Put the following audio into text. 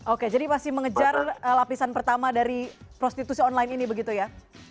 oke jadi masih mengejar lapisan pertama dari prostitusi online ini begitu ya